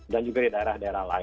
dan juga di daerah daerah lain